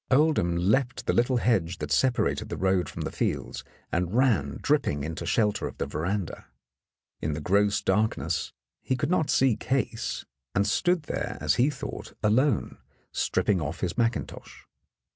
Oldham leaped the little hedge that separated the road from the fields and ran dripping into shelter of the veranda. In the gross darkness he could not see Case, and stood there, as he thought, alone, strip ping off his mackintosh.